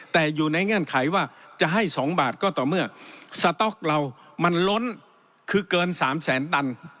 แต่อยู่ในเงื่อนไขว่าจะให้๒บาทก็ต่อเมื่อสต๊อกเรามันล้นคือเกิน๓แสนตัน